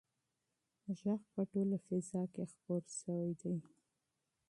غږ په ټوله فضا کې خپور شوی دی.